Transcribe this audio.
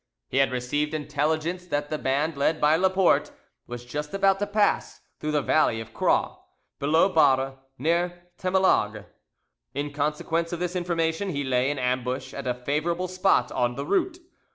He had received intelligence that the band led by Laporte was just about to pass through the valley of Croix, below Barre, near Temelague. In consequence of this information, he lay in ambush at a favourable spot on the route.